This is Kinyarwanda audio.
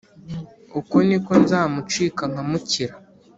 uko ni ko nzamucika nkamukira